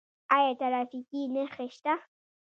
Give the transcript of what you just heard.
آیا ټرافیکي نښې شته؟